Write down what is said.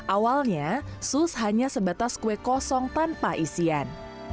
awalnya sus hanya sebatas kue kosong tanpa isian